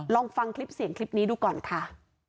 ลองฟังคลิปเสียงคลิปนี้ดูก่อนค่ะ